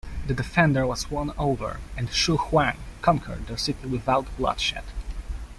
The defender was won over and Xu Huang conquered the city without bloodshed.